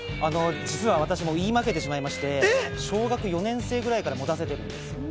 私も言い負けてしまいまして、小学４年生くらいから持たせています。